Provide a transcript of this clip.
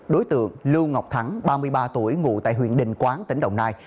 đối tượng lưu ngọc thắng ba mươi ba tuổi ngụ tại huyện đình quán tỉnh đồng nai